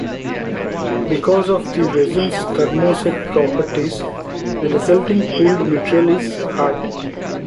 Because of the resin's thermoset properties the resulting cooled material is hard.